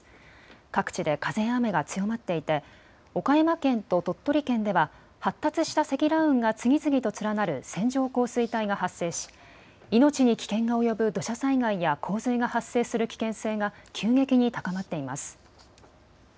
各地で風や雨が強まっていて岡山県と鳥取県では発達した積乱雲が次々と連なる線状降水帯が発生し、命に危険が及ぶ土砂災害や洪水が発生する危険性が急激に高まっています。